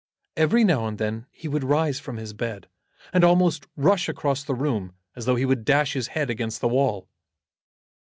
Every now and then he would rise from his bed, and almost rush across the room as though he would dash his head against the wall.